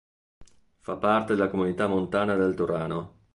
Fa parte della Comunità montana del Turano.